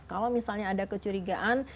kalau misalnya ada kecurigaan